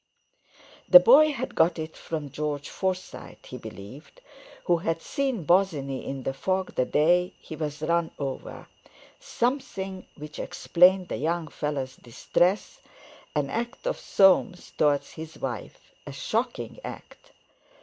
The boy had got it from George Forsyte, he believed, who had seen Bosinney in the fog the day he was run over—something which explained the young fellow's distress—an act of Soames towards his wife—a shocking act.